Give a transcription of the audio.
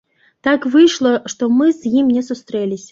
Так выйшла, што мы з ім не сустрэліся.